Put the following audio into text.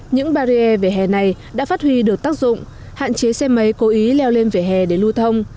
những barrier về hè này đã phát huy được tác dụng hạn chế xe máy cố ý leo lên vỉa hè để lưu thông